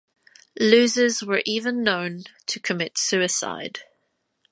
Losers were even known to commit suicide.